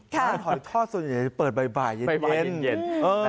หอยทอดส่วนใหญ่เปิดบ่ายเย็น